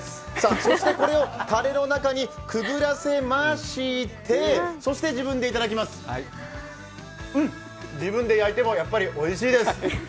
そしてこれをたれの中にくぐらせましてうん、自分で焼いてもやっぱりおいしいです。